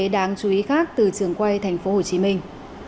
đáng chú ý khác từ trường quay thành phố hồ chí minh